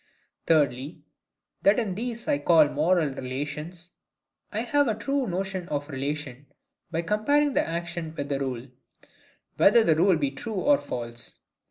Thirdly, That in these I call MORAL RELATIONS, I have a true notion of relation, by comparing the action with the rule, whether the rule be true or false.